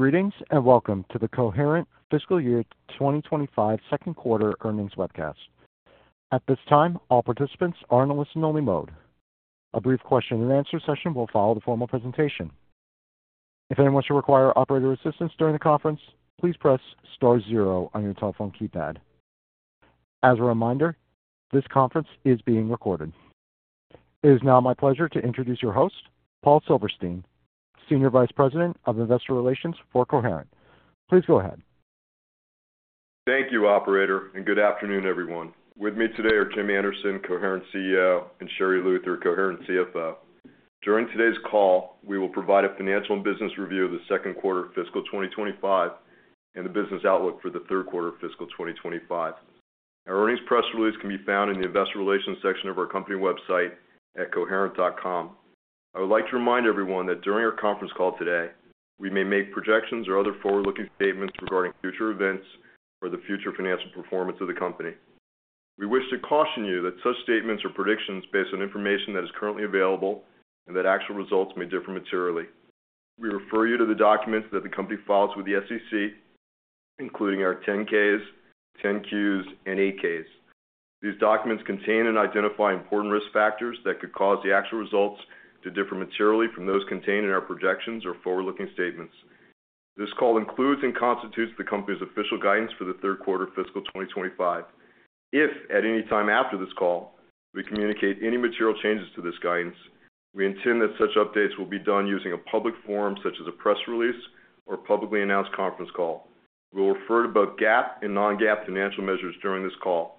Greetings and welcome to the Coherent Fiscal Year 2025 Second Quarter Earnings Webcast. At this time, all participants are in a listen-only mode. A brief Q&A session will follow the formal presentation. If anyone should require operator assistance during the conference, please press star zero on your telephone keypad. As a reminder, this conference is being recorded. It is now my pleasure to introduce your host, Paul Silverstein, Senior Vice President of Investor Relations for Coherent. Please go ahead. Thank you, Operator, and good afternoon, everyone. With me today are Jim Anderson, Coherent CEO, and Sherri Luther, Coherent CFO. During today's call, we will provide a financial and business review of the second quarter of fiscal 2025 and the business outlook for the third quarter of fiscal 2025. Our earnings press release can be found in the Investor Relations section of our company website at coherent.com. I would like to remind everyone that during our conference call today, we may make projections or other forward-looking statements regarding future events or the future financial performance of the company. We wish to caution you that such statements or predictions are based on information that is currently available and that actual results may differ materially. We refer you to the documents that the company files with the SEC, including our 10-Ks, 10-Qs, and 8-Ks. These documents contain and identify important risk factors that could cause the actual results to differ materially from those contained in our projections or forward-looking statements. This call includes and constitutes the company's official guidance for the third quarter of fiscal 2025. If at any time after this call we communicate any material changes to this guidance, we intend that such updates will be done using a public forum such as a press release or publicly announced conference call. We'll refer to both GAAP and non-GAAP financial measures during this call.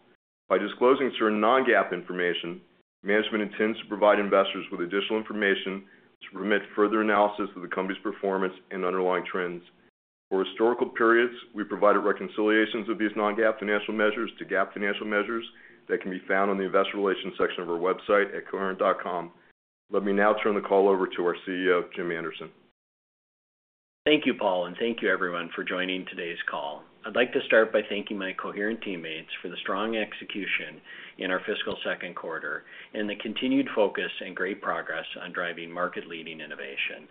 By disclosing certain non-GAAP information, management intends to provide investors with additional information to permit further analysis of the company's performance and underlying trends. For historical periods, we provided reconciliations of these non-GAAP financial measures to GAAP financial measures that can be found on the Investor Relations section of our website at coherent.com. Let me now turn the call over to our CEO, Jim Anderson. Thank you, Paul, and thank you, everyone, for joining today's call. I'd like to start by thanking my Coherent teammates for the strong execution in our fiscal second quarter and the continued focus and great progress on driving market-leading innovation.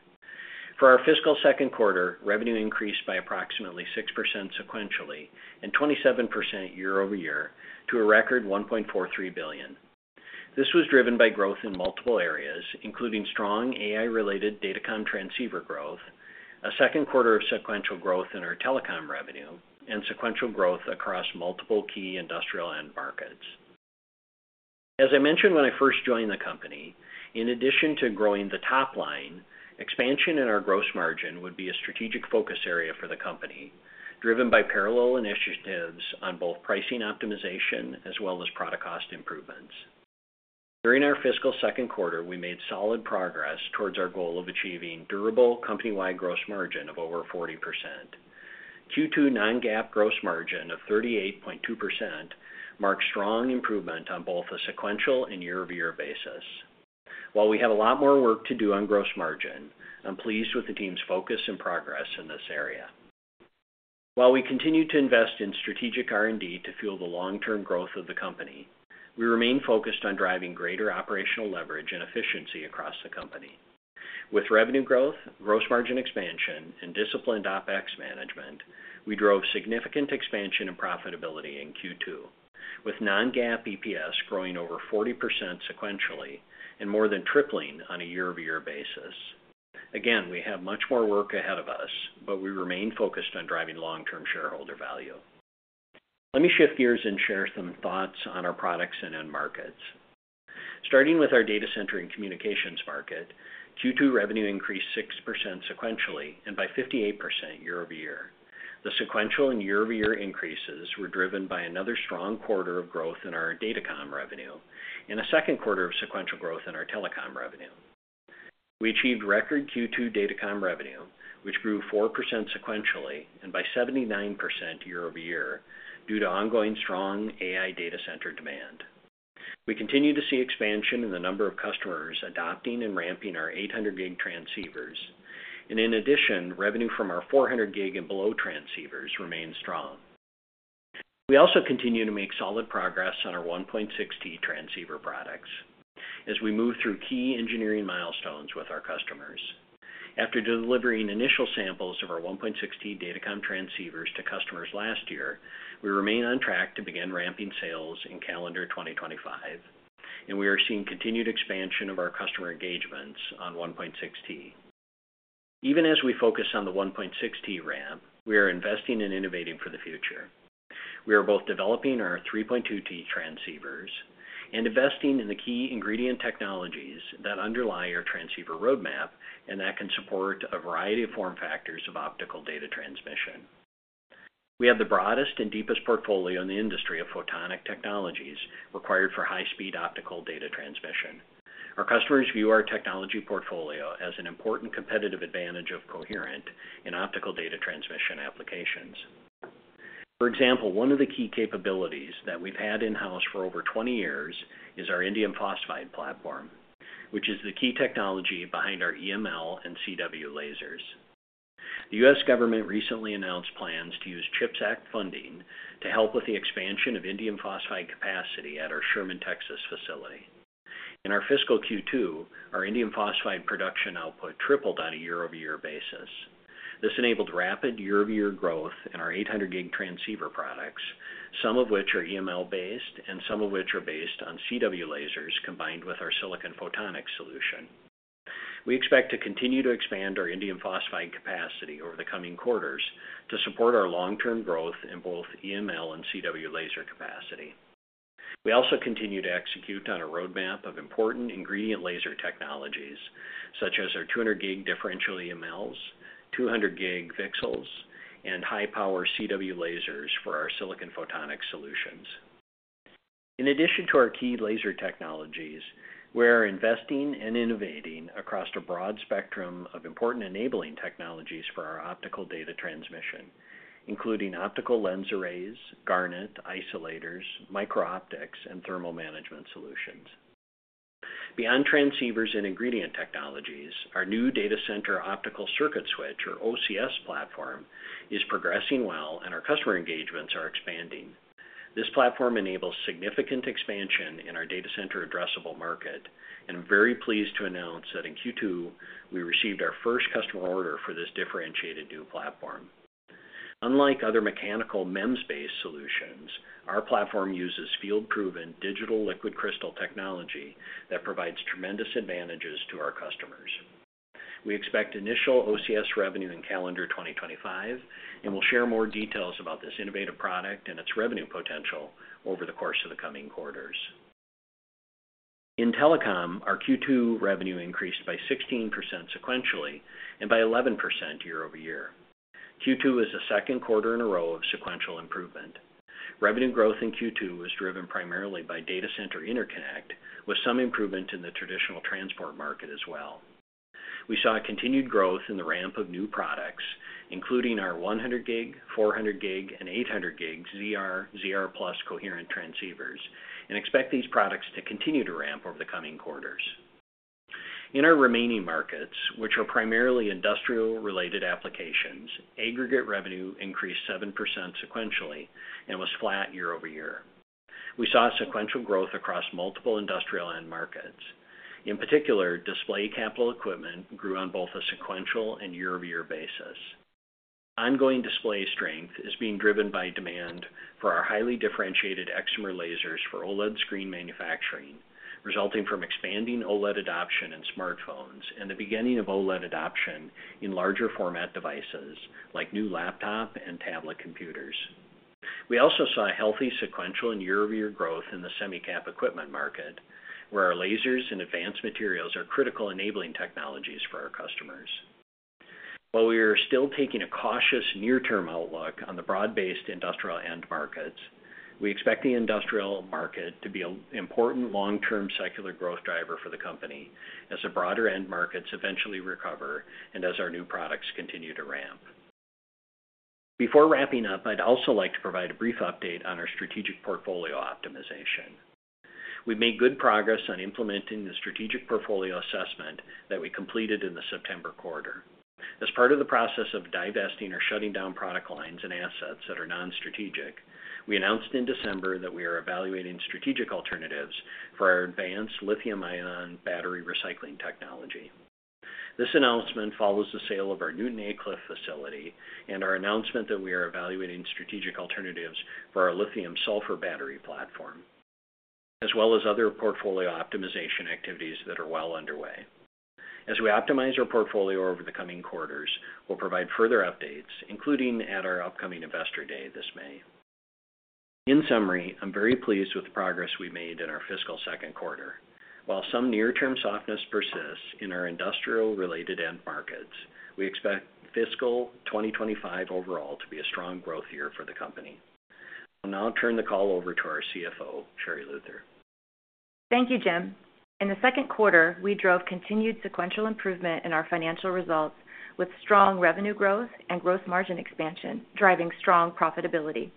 For our fiscal second quarter, revenue increased by approximately 6% sequentially and 27% year-over-year to a record $1.43 billion. This was driven by growth in multiple areas, including strong AI-related datacom transceiver growth, a second quarter of sequential growth in our telecom revenue, and sequential growth across multiple key industrial end markets. As I mentioned when I first joined the company, in addition to growing the top line, expansion in our gross margin would be a strategic focus area for the company, driven by parallel initiatives on both pricing optimization as well as product cost improvements. During our fiscal second quarter, we made solid progress towards our goal of achieving durable company-wide gross margin of over 40%. Q2 non-GAAP gross margin of 38.2% marked strong improvement on both a sequential and year-over-year basis. While we have a lot more work to do on gross margin, I'm pleased with the team's focus and progress in this area. While we continue to invest in strategic R&D to fuel the long-term growth of the company, we remain focused on driving greater operational leverage and efficiency across the company. With revenue growth, gross margin expansion, and disciplined OpEx management, we drove significant expansion and profitability in Q2, with non-GAAP EPS growing over 40% sequentially and more than tripling on a year-over-year basis. Again, we have much more work ahead of us, but we remain focused on driving long-term shareholder value. Let me shift gears and share some thoughts on our products and end markets. Starting with our data center and communications market, Q2 revenue increased 6% sequentially and by 58% year-over-year. The sequential and year-over-year increases were driven by another strong quarter of growth in our datacom revenue and a second quarter of sequential growth in our telecom revenue. We achieved record Q2 datacom revenue, which grew 4% sequentially and by 79% year-over-year due to ongoing strong AI data center demand. We continue to see expansion in the number of customers adopting and ramping our 800-gig transceivers. And in addition, revenue from our 400-gig and below transceivers remains strong. We also continue to make solid progress on our 1.6T transceiver products as we move through key engineering milestones with our customers. After delivering initial samples of our 1.6T datacom transceivers to customers last year, we remain on track to begin ramping sales in calendar 2025, and we are seeing continued expansion of our customer engagements on 1.6T. Even as we focus on the 1.6T ramp, we are investing and innovating for the future. We are both developing our 3.2T transceivers and investing in the key ingredient technologies that underlie our transceiver roadmap and that can support a variety of form factors of optical data transmission. We have the broadest and deepest portfolio in the industry of photonic technologies required for high-speed optical data transmission. Our customers view our technology portfolio as an important competitive advantage of Coherent in optical data transmission applications. For example, one of the key capabilities that we've had in-house for over 20 years is our indium phosphide platform, which is the key technology behind our EML and CW lasers. The U.S. government recently announced plans to use CHIPS Act funding to help with the expansion of indium phosphide capacity at our Sherman, Texas facility. In our fiscal Q2, our indium phosphide production output tripled on a year-over-year basis. This enabled rapid year-over-year growth in our 800-gig transceiver products, some of which are EML-based and some of which are based on CW lasers combined with our silicon photonic solution. We expect to continue to expand our indium phosphide capacity over the coming quarters to support our long-term growth in both EML and CW laser capacity. We also continue to execute on a roadmap of important ingredient laser technologies, such as our 200-gig differential EMLs, 200-gig VCSELs, and high-power CW lasers for our silicon photonics solutions. In addition to our key laser technologies, we are investing and innovating across a broad spectrum of important enabling technologies for our optical data transmission, including optical lens arrays, garnet isolators, micro-optics, and thermal management solutions. Beyond transceivers and ingredient technologies, our new data center optical circuit switch, or OCS, platform is progressing well, and our customer engagements are expanding. This platform enables significant expansion in our data center addressable market, and I'm very pleased to announce that in Q2, we received our first customer order for this differentiated new platform. Unlike other mechanical MEMS-based solutions, our platform uses field-proven digital liquid crystal technology that provides tremendous advantages to our customers. We expect initial OCS revenue in calendar 2025, and we'll share more details about this innovative product and its revenue potential over the course of the coming quarters. In telecom, our Q2 revenue increased by 16% sequentially and by 11% year-over-year. Q2 is the second quarter in a row of sequential improvement. Revenue growth in Q2 was driven primarily by data center interconnect, with some improvement in the traditional transport market as well. We saw continued growth in the ramp of new products, including our 100-gig, 400-gig, and 800-gig ZR, ZR Plus Coherent transceivers, and expect these products to continue to ramp over the coming quarters. In our remaining markets, which are primarily industrial-related applications, aggregate revenue increased 7% sequentially and was flat year-over-year. We saw sequential growth across multiple industrial end markets. In particular, display capital equipment grew on both a sequential and year-over-year basis. Ongoing display strength is being driven by demand for our highly differentiated excimer lasers for OLED screen manufacturing, resulting from expanding OLED adoption in smartphones and the beginning of OLED adoption in larger format devices like new laptop and tablet computers. We also saw healthy sequential and year-over-year growth in the semicap equipment market, where our lasers and advanced materials are critical enabling technologies for our customers. While we are still taking a cautious near-term outlook on the broad-based industrial end markets, we expect the industrial market to be an important long-term secular growth driver for the company as the broader end markets eventually recover and as our new products continue to ramp. Before wrapping up, I'd also like to provide a brief update on our strategic portfolio optimization. We've made good progress on implementing the strategic portfolio assessment that we completed in the September quarter. As part of the process of divesting or shutting down product lines and assets that are non-strategic, we announced in December that we are evaluating strategic alternatives for our advanced lithium-ion battery recycling technology. This announcement follows the sale of our Newton Aycliffe facility and our announcement that we are evaluating strategic alternatives for our lithium-sulfur battery platform, as well as other portfolio optimization activities that are well underway. As we optimize our portfolio over the coming quarters, we'll provide further updates, including at our upcoming investor day this May. In summary, I'm very pleased with the progress we made in our fiscal second quarter. While some near-term softness persists in our industrial-related end markets, we expect fiscal 2025 overall to be a strong growth year for the company. I'll now turn the call over to our CFO, Sherri Luther. Thank you, Jim. In the second quarter, we drove continued sequential improvement in our financial results with strong revenue growth and gross margin expansion, driving strong profitability.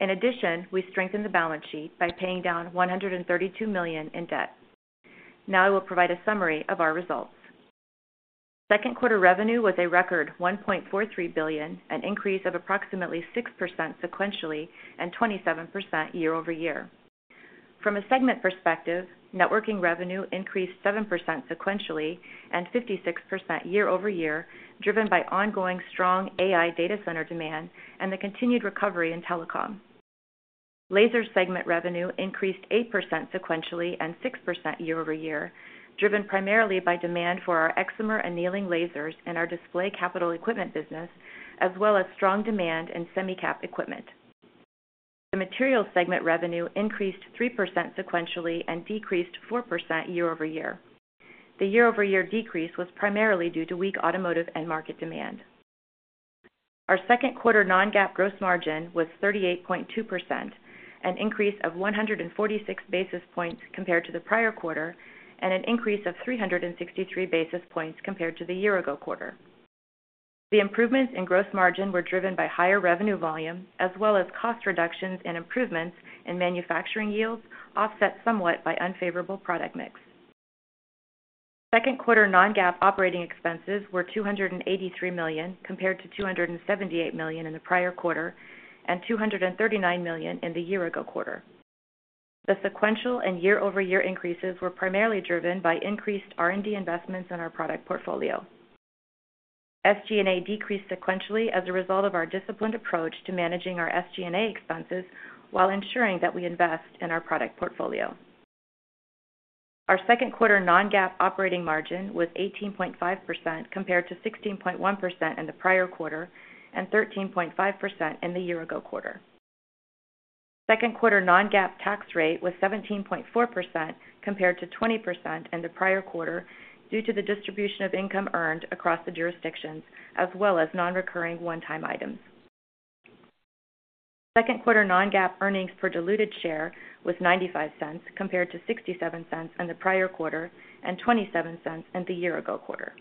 In addition, we strengthened the balance sheet by paying down $132 million in debt. Now I will provide a summary of our results. Second quarter revenue was a record $1.43 billion, an increase of approximately 6% sequentially and 27% year-over-year. From a segment perspective, networking revenue increased 7% sequentially and 56% year-over-year, driven by ongoing strong AI data center demand and the continued recovery in telecom. Laser segment revenue increased 8% sequentially and 6% year-over-year, driven primarily by demand for our excimer annealing lasers and our display capital equipment business, as well as strong demand in semicap equipment. The materials segment revenue increased 3% sequentially and decreased 4% year-over-year. The year-over-year decrease was primarily due to weak automotive end market demand. Our second quarter non-GAAP gross margin was 38.2%, an increase of 146 basis points compared to the prior quarter, and an increase of 363 basis points compared to the year-ago quarter. The improvements in gross margin were driven by higher revenue volume, as well as cost reductions and improvements in manufacturing yields, offset somewhat by unfavorable product mix. Second quarter non-GAAP operating expenses were $283 million compared to $278 million in the prior quarter and $239 million in the year-ago quarter. The sequential and year-over-year increases were primarily driven by increased R&D investments in our product portfolio. SG&A decreased sequentially as a result of our disciplined approach to managing our SG&A expenses while ensuring that we invest in our product portfolio. Our second quarter non-GAAP operating margin was 18.5% compared to 16.1% in the prior quarter and 13.5% in the year-ago quarter. Second quarter non-GAAP tax rate was 17.4% compared to 20% in the prior quarter due to the distribution of income earned across the jurisdictions, as well as non-recurring one-time items. Second quarter non-GAAP earnings per diluted share was $0.95 compared to $0.67 in the prior quarter and $0.27 in the year-ago quarter.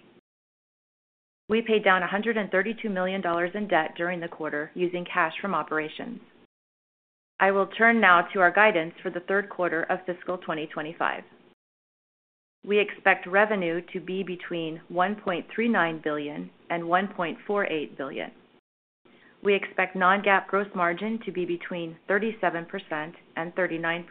We paid down $132 million in debt during the quarter using cash from operations. I will turn now to our guidance for the third quarter of fiscal 2025. We expect revenue to be between $1.39 billion and $1.48 billion. We expect non-GAAP gross margin to be between 37% and 39%.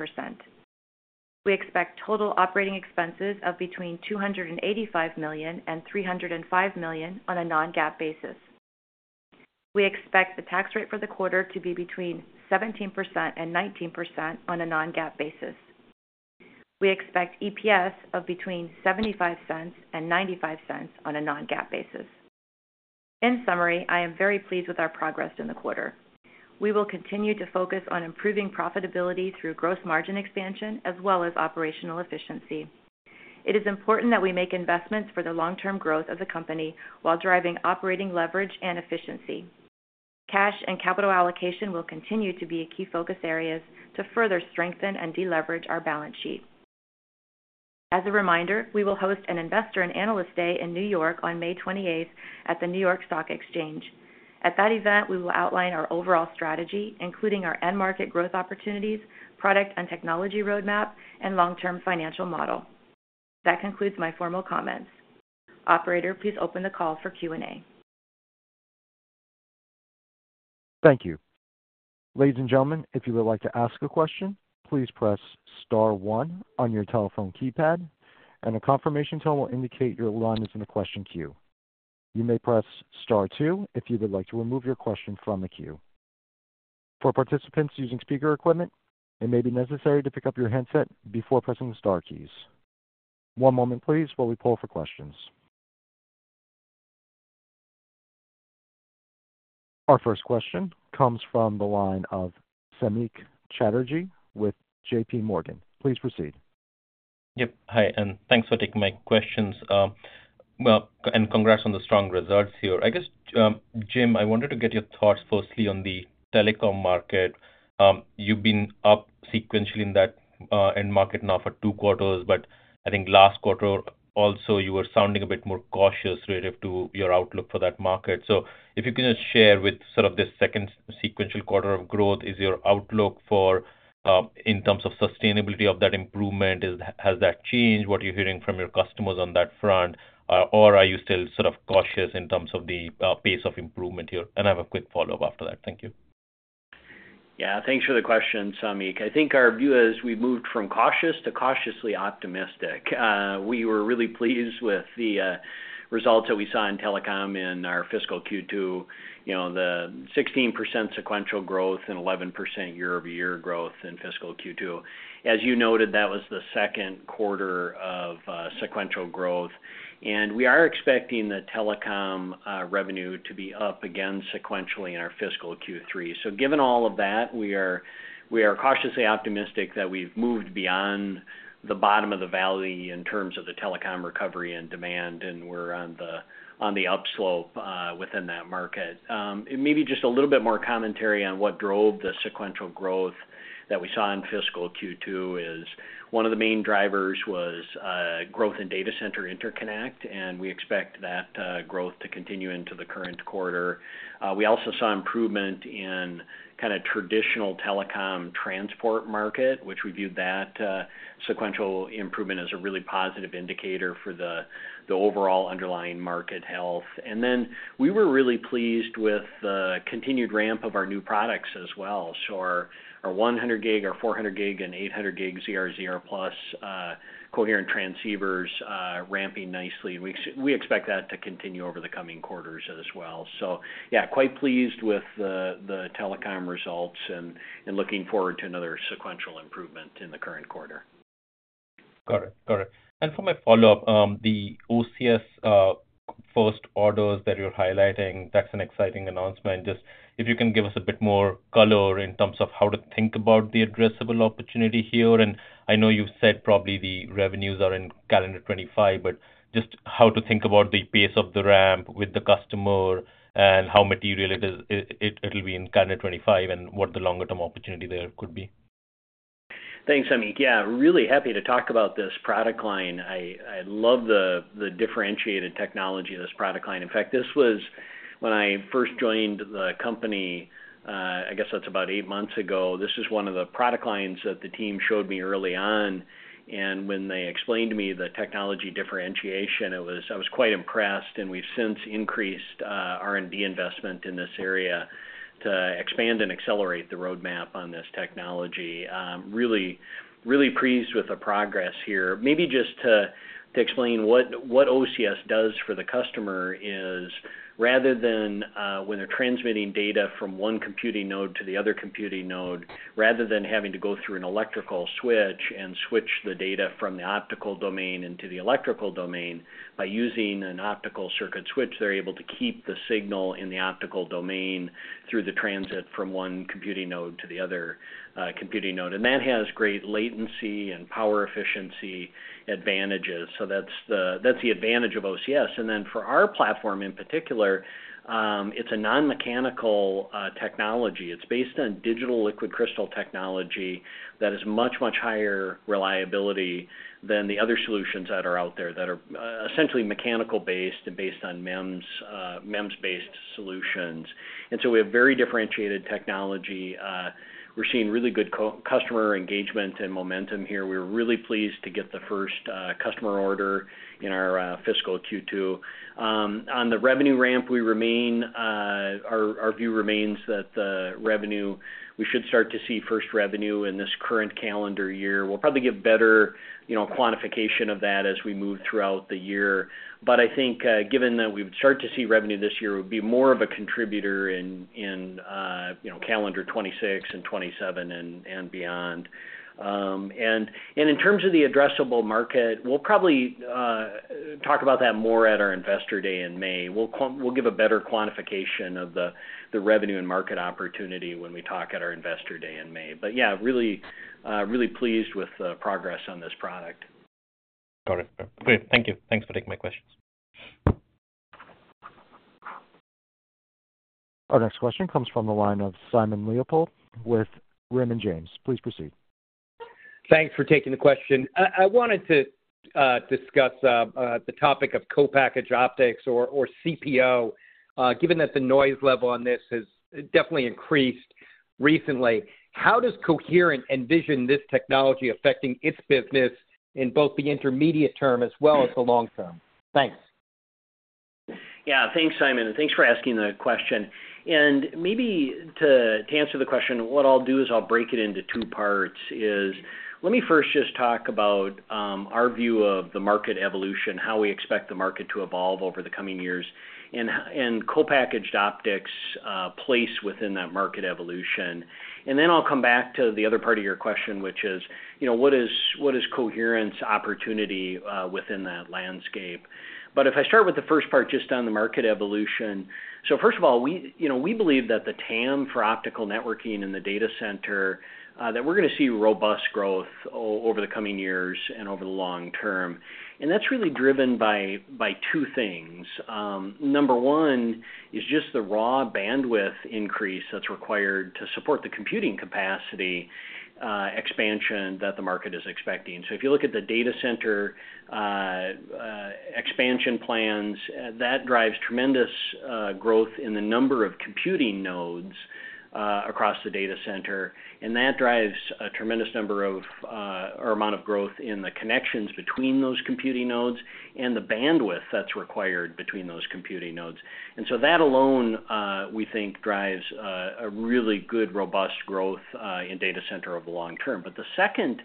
We expect total operating expenses of between $285 million and $305 million on a non-GAAP basis. We expect the tax rate for the quarter to be between 17% and 19% on a non-GAAP basis. We expect EPS of between $0.75 and $0.95 on a non-GAAP basis. In summary, I am very pleased with our progress in the quarter. We will continue to focus on improving profitability through gross margin expansion, as well as operational efficiency. It is important that we make investments for the long-term growth of the company while driving operating leverage and efficiency. Cash and capital allocation will continue to be key focus areas to further strengthen and deleverage our balance sheet. As a reminder, we will host an Investor and Analyst Day in New York on May 28th at the New York Stock Exchange. At that event, we will outline our overall strategy, including our end market growth opportunities, product and technology roadmap, and long-term financial model. That concludes my formal comments. Operator, please open the call for Q&A. Thank you. Ladies and gentlemen, if you would like to ask a question, please press Star one on your telephone keypad, and a confirmation tone will indicate your line is in the question queue. You may press Star two if you would like to remove your question from the queue. For participants using speaker equipment, it may be necessary to pick up your headset before pressing the Star keys. One moment, please, while we pull for questions. Our first question comes from the line of Samik Chatterjee with JPMorgan. Please proceed. Yep. Hi, and thanks for taking my questions. Well, and congrats on the strong results here. I guess, Jim, I wanted to get your thoughts firstly on the telecom market. You've been up sequentially in that end market now for two quarters, but I think last quarter also you were sounding a bit more cautious relative to your outlook for that market. So if you can just share with sort of the second sequential quarter of growth, is your outlook for in terms of sustainability of that improvement? Has that changed? What are you hearing from your customers on that front? Or are you still sort of cautious in terms of the pace of improvement here? And I have a quick follow-up after that. Thank you. Yeah, thanks for the question, Samik. I think our view is we've moved from cautious to cautiously optimistic. We were really pleased with the results that we saw in telecom in our fiscal Q2, you know, the 16% sequential growth and 11% year-over-year growth in fiscal Q2. As you noted, that was the second quarter of sequential growth, and we are expecting the telecom revenue to be up again sequentially in our fiscal Q3, so given all of that, we are cautiously optimistic that we've moved beyond the bottom of the valley in terms of the telecom recovery and demand, and we're on the upslope within that market. Maybe just a little bit more commentary on what drove the sequential growth that we saw in fiscal Q2 is one of the main drivers was growth in data center interconnect, and we expect that growth to continue into the current quarter. We also saw improvement in kind of traditional telecom transport market, which we viewed that sequential improvement as a really positive indicator for the overall underlying market health. And then we were really pleased with the continued ramp of our new products as well. So our 100-gig, our 400-gig, and 800-gig ZR, ZR+ coherent transceivers ramping nicely. We expect that to continue over the coming quarters as well. So yeah, quite pleased with the telecom results and looking forward to another sequential improvement in the current quarter. Got it. Got it, and for my follow-up, the OCS first orders that you're highlighting, that's an exciting announcement. Just if you can give us a bit more color in terms of how to think about the addressable opportunity here, and I know you've said probably the revenues are in calendar 2025, but just how to think about the pace of the ramp with the customer and how material it will be in calendar 2025 and what the longer-term opportunity there could be? Thanks, Samik. Yeah, really happy to talk about this product line. I I love the differentiated technology of this product line. In fact, this was when I first joined the company, I guess that's about eight months ago. This is one of the product lines that the team showed me early on, and when they explained to me the technology differentiation, I was quite impressed, and we've since increased R&D investment in this area to expand and accelerate the roadmap on this technology. Really, really pleased with the progress here. Maybe just to explain what OCS does for the customer is rather than when they're transmitting data from one computing node to the other computing node, rather than having to go through an electrical switch and switch the data from the optical domain into the electrical domain, by using an optical circuit switch, they're able to keep the signal in the optical domain through the transit from one computing node to the other computing node. And that has great latency and power efficiency advantages. So that's the advantage of OCS. And then for our platform in particular, it's a non-mechanical technology. It's based on digital liquid crystal technology that has much, much higher reliability than the other solutions that are out there that are essentially mechanical-based and based on MEMS, MEMS-based solutions. And so we have very differentiated technology. We're seeing really good customer engagement and momentum here. We were really pleased to get the first customer order in our fiscal Q2. On the revenue ramp, we remain, our view remains that revenue, we should start to see first revenue in this current calendar year. We'll probably get better quantification of that as we move throughout the year. But I think given that we would start to see revenue this year, it would be more of a contributor in in calendar 2026 and 2027 and beyond. And in terms of the addressable market, we'll probably talk about that more at our Investor Day in May. We'll give a better quantification of the revenue and market opportunity when we talk at our Investor Day in May. But yeah, really, really pleased with the progress on this product. Got it. Great. Thank you. Thanks for taking my questions. Our next question comes from the line of Simon Leopold with Raymond James. Please proceed. Thanks for taking the question. I wanted to discuss the topic of co-packaged optics or CPO, given that the noise level on this has definitely increased recently. How does Coherent envision this technology affecting its business in both the intermediate term as well as the long term? Thanks. Yeah. Thanks, Simon. Thanks for asking the question. And maybe to answer the question, what I'll do is I'll break it into two parts. Let me first just talk about our view of the market evolution, how we expect the market to evolve over the coming years, and co-packaged optics' place within that market evolution. And then I'll come back to the other part of your question, which is, you know what is, what is Coherent's opportunity within that landscape. But if I start with the first part just on the market evolution, so first of all, we believe that the TAM for optical networking in the data center, that we're going to see robust growth over the coming years and over the long term. And that's really driven by by two things. Number one is just the raw bandwidth increase that's required to support the computing capacity expansion that the market is expecting. So if you look at the data center expansion plans, that drives tremendous growth in the number of computing nodes across the data center. And that drives a tremendous number of or amount of growth in the connections between those computing nodes and the bandwidth that's required between those computing nodes. And so that alone, we think, drives a really good robust growth in data center over the long term. But the second,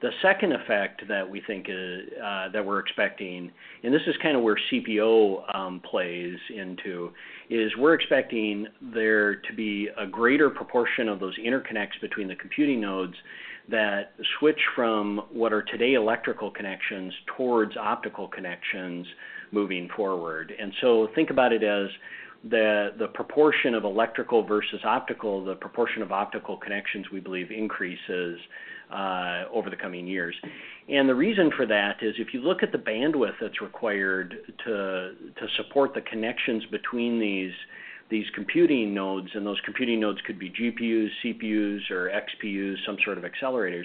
the second effect that we think that we're expecting, and this is kind of where CPO plays into, is we're expecting there to be a greater proportion of those interconnects between the computing nodes that switch from what are today electrical connections towards optical connections moving forward. And so think about it as the proportion of electrical versus optical, the proportion of optical connections we believe increases over the coming years. And the reason for that is if you look at the bandwidth that's required to to support the connections between these computing nodes, and those computing nodes could be GPUs, CPUs, or XPUs, some sort of accelerators,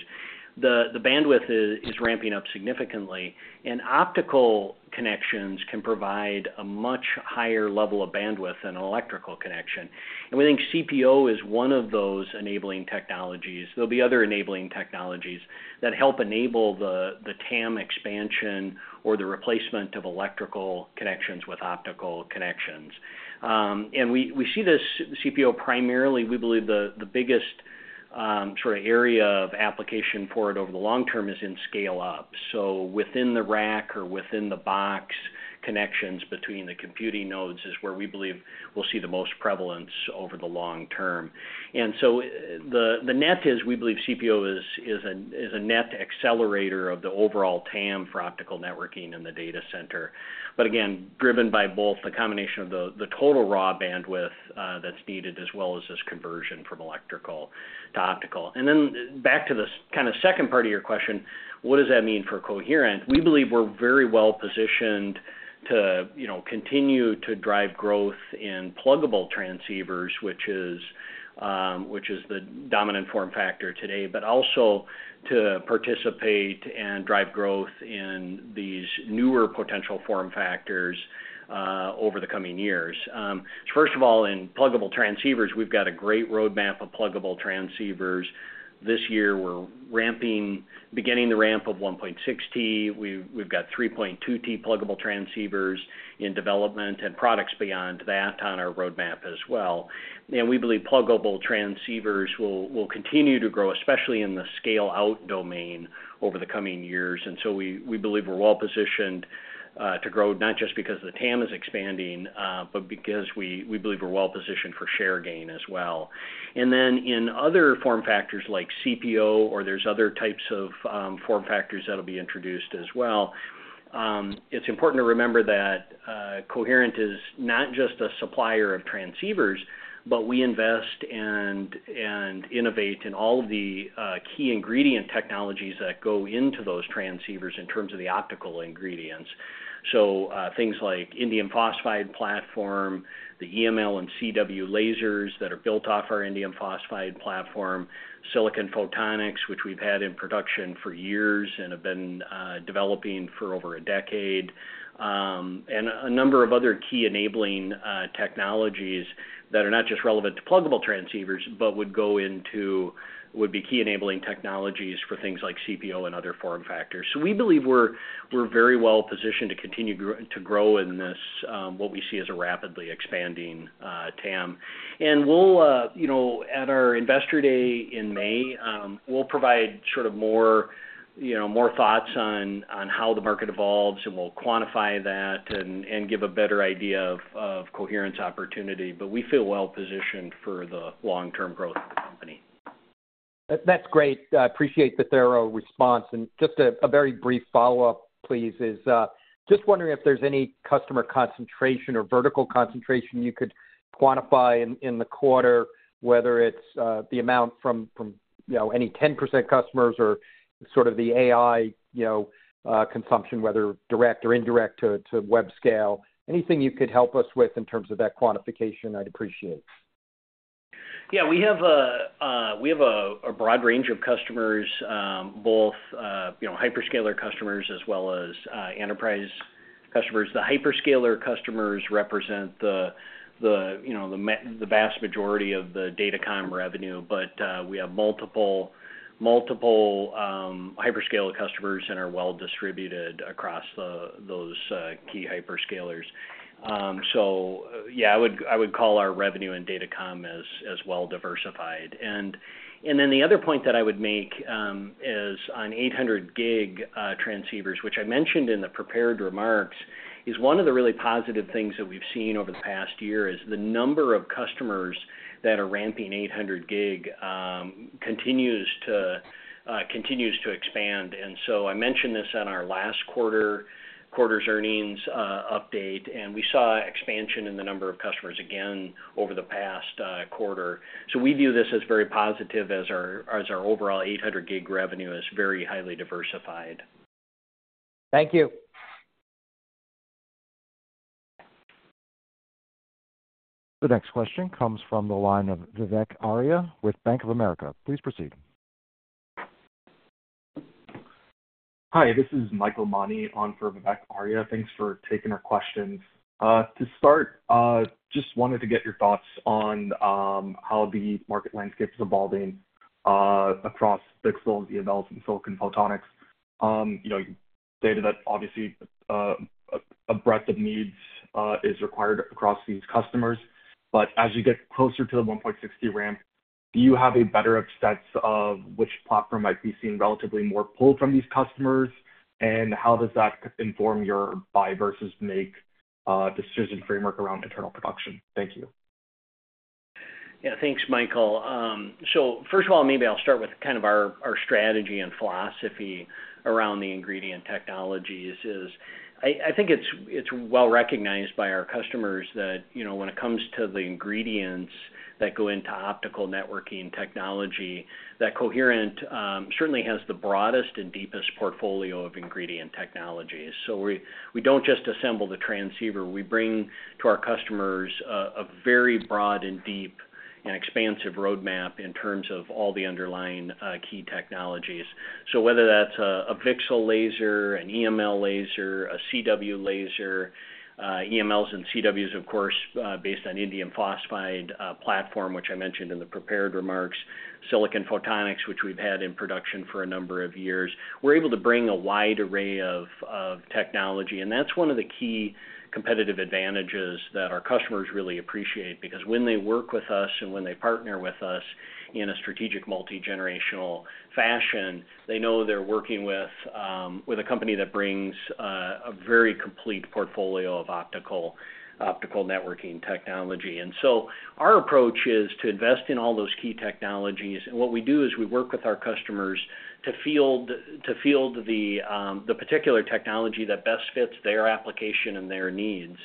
the the bandwidth is ramping up significantly. And optical connections can provide a much higher level of bandwidth than an electrical connection. And we think CPO is one of those enabling technologies. There'll be other enabling technologies that help enable the TAM expansion or the replacement of electrical connections with optical connections. And we see this CPO primarily. We believe the biggest sort of area of application for it over the long term is in scale-up. So within the rack or within the box connections between the computing nodes is where we believe we'll see the most prevalence over the long term. And so the net is we believe CPO is is a net accelerator of the overall TAM for optical networking in the data center. But again, driven by both the combination of the total raw bandwidth that's needed as well as this conversion from electrical to optical. And then back to the kind of second part of your question, what does that mean for Coherent? We believe we're very well positioned to continue to drive growth in pluggable transceivers, which is, which is the dominant form factor today, but also to participate and drive growth in these newer potential form factors over the coming years. First of all, in pluggable transceivers, we've got a great roadmap of pluggable transceivers. This year, we're ramping, we're beginning the ramp of 1.6T. We've got 3.2T pluggable transceivers in development and products beyond that on our roadmap as well. And we believe pluggable transceivers will continue to grow, especially in the scale-out domain over the coming years. And so we believe we're well positioned to grow not just because the TAM is expanding, but because we believe we're well positioned for share gain as well. And then in other form factors like CPO, or there's other types of form factors that'll be introduced as well, it's important to remember that Coherent is not just a supplier of transceivers, but we invest and and innovate in all of the key ingredient technologies that go into those transceivers in terms of the optical ingredients. So things like indium phosphide platform, the EML and CW lasers that are built off our indium phosphide platform, Silicon Photonics, which we've had in production for years and have been developing for over a decade, and a number of other key enabling technologies that are not just relevant to pluggable transceivers, but would be key enabling technologies for things like CPO and other form factors. So we believe we're, we're very well positioned to continue to grow in this, what we see as a rapidly expanding TAM. And at our Investor Day in May, we'll provide sort of more thoughts on how the market evolves, and we'll quantify that and give a better idea of Coherent's opportunity. But we feel well positioned for the long-term growth of the company. That's great. I appreciate the thorough response, and just a very brief follow-up, please, is just wondering if there's any customer concentration or vertical concentration you could quantify in the quarter, whether it's the amount from from any 10% customers or sort of the AI, you know, consumption, whether direct or indirect to web scale. Anything you could help us with in terms of that quantification, I'd appreciate it. Yeah. We have a, we have a broad range of customers, both hyperscaler customers as well as enterprise customers. The hyperscaler customers represent the the, you know, the vast majority of the datacom revenue, but we have multiple multiple hyperscaler customers that are well distributed across those key hyperscalers. So yeah, I would, I would call our revenue and datacom as well diversified. And then the other point that I would make is on 800-gig transceivers, which I mentioned in the prepared remarks, is one of the really positive things that we've seen over the past year is the number of customers that are ramping 800-gig continues to, continues to expand. And so I mentioned this on our last quarter, quarter's earnings update, and we saw expansion in the number of customers again over the past quarter. So we view this as very positive as our, as our overall 800-gig revenue is very highly diversified. Thank you. The next question comes from the line of Vivek Arya with Bank of America. Please proceed. Hi, this is Michael Mahoney on for Vivek Arya. Thanks for taking our questions. To start, just wanted to get your thoughts on how the market landscape is evolving across VCSELs, EMLs, and Silicon Photonics. You stated that obviously a breadth of needs is required across these customers. But as you get closer to the 1.6T ramp, do you have a better sense of which platform might be seen relatively more pulled from these customers, and how does that inform your buy versus make decision framework around internal production? Thank you. Yeah. Thanks, Michael. So first of all, maybe I'll start with kind of our strategy and philosophy around the ingredient technologies. I think it's well recognized by our customers that when it comes to the ingredients that go into optical networking technology, that Coherent certainly has the broadest and deepest portfolio of ingredient technologies. So we don't just assemble the transceiver. We bring to our customers a very broad and deep and expansive roadmap in terms of all the underlying key technologies. So whether that's a VCSEL laser, an EML laser, a CW laser, EMLs and CWs, of course, based on indium phosphide platform, which I mentioned in the prepared remarks, silicon photonics, which we've had in production for a number of years, we're able to bring a wide array of technology. And that's one of the key competitive advantages that our customers really appreciate because when they work with us and when they partner with us in a strategic multi-generational fashion, they know they're working with a company that brings a very complete portfolio of optical, optical networking technology. And so our approach is to invest in all those key technologies. What we do is we work with our customers to field, to field the particular technology that best fits their application and their needs.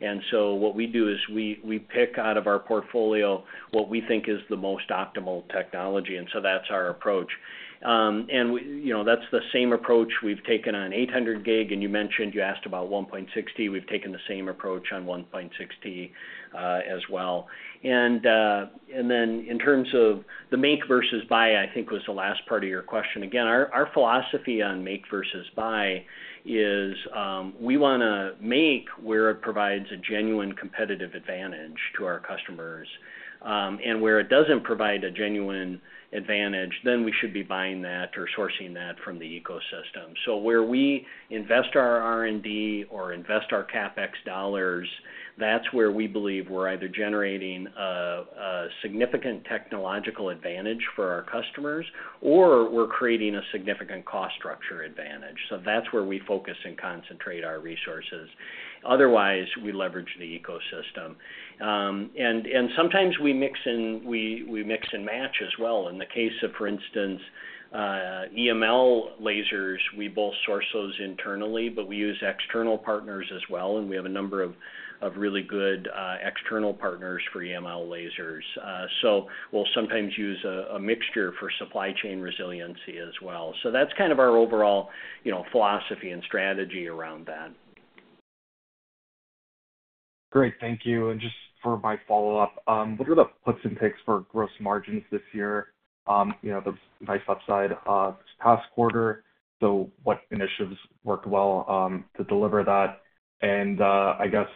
And so what we do is we pick out of our portfolio what we think is the most optimal technology. And so that's our approach. And you know, that's the same approach we've taken on 800-gig. And you mentioned you asked about 1.6T. We've taken the same approach on 1.6T as well. And, and then in terms of the make versus buy, I think was the last part of your question. Again, our philosophy on make versus buy is we want to make where it provides a genuine competitive advantage to our customers. And where it doesn't provide a genuine advantage, then we should be buying that or sourcing that from the ecosystem. So where we invest our R&D or invest our CapEx dollars, that's where we believe we're either generating a significant technological advantage for our customers or we're creating a significant cost structure advantage. So that's where we focus and concentrate our resources. Otherwise, we leverage the ecosystem. And sometimes we mix, and we mix and match as well. In the case of, for instance, EML lasers, we both source those internally, but we use external partners as well. And we have a number of really good external partners for EML lasers. So we'll sometimes use a mixture for supply chain resiliency as well. So that's kind of our overall philosophy and strategy around that. Great. Thank you. And just for my follow-up, what are the puts and takes for gross margins this year? There's nice upside this past quarter. So what initiatives worked well to deliver that? And I guess